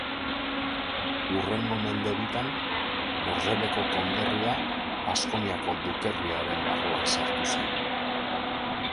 Hurrengo mende bitan, Bordeleko konderria Baskoniako dukerriaren barruan sartu zen.